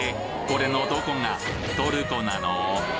これのどこがトルコなの？